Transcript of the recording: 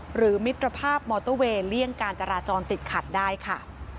มิตรภาพมอเตอร์เวย์เลี่ยงการจราจรติดขัดได้ค่ะ